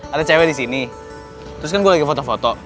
ada cewek disini terus kan gua lagi foto foto